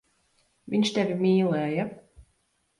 Viņš tevi mīlēja.